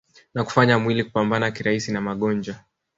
na kufanya mwili kupambana kirahisi na magonjwa